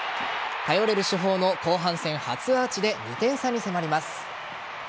頼れる主砲の後半戦初アーチで２点差に迫ります。